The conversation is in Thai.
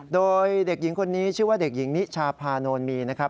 โดยเด็กหญิงคนนี้ชื่อว่าเด็กหญิงนิชาพานนมีนะครับ